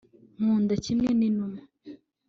nkunda, kimwe n'inuma